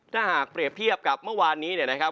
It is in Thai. ถ้าหากเปรียบเทียบกับเมื่อวานนี้เนี่ยนะครับ